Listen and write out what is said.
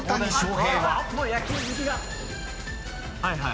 はいはい。